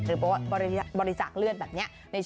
บริจาคเลือดแบบนี้